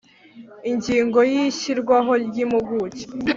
Ingingo y Ishyirwaho ry impuguke